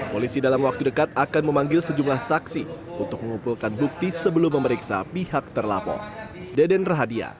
polisi dalam waktu dekat akan memanggil sejumlah saksi untuk mengumpulkan bukti sebelum memeriksa pihak terlapor